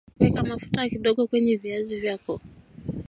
weka mafuta kidogo kwenye viazi vyako